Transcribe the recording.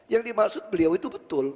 yang dimaksud beliau itu betul